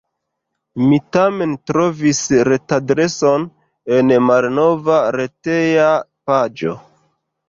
Mi tamen trovis retadreson en malnova reteja paĝo.